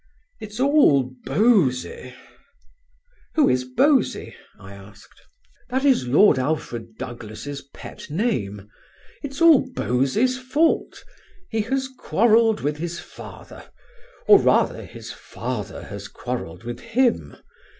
"It's all Bosie." "Who is Bosie?" I asked. "That is Lord Alfred Douglas' pet name. It's all Bosie's fault. He has quarrelled with his father, or rather his father has quarrelled with him.